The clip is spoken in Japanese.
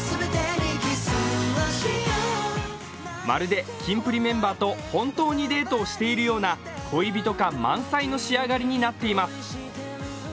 まるでキンプリメンバーと本当にデートをしているような恋人感満載の仕上がりになっています。